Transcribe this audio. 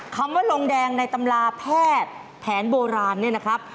คำว่าลงแดงในตำราแพทย์แผนโบราณเนี่ยนะครับ